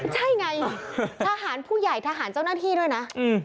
ใช่ไงทหารผู้ใหญ่ทหารเจ้าหน้าที่ด้วยนะ